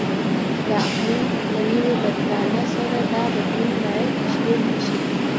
د اقلیم له نوي بدلانه سره دا بدلون باید تشریح نشي.